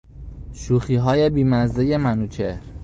شوخیهای بیمزهی منوچهر